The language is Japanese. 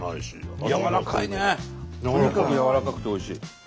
とにかくやわらかくておいしい。